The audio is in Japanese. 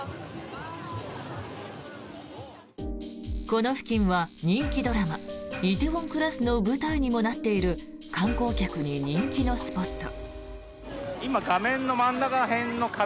この付近は人気ドラマ「梨泰院クラス」の舞台にもなっている観光客に人気のスポット。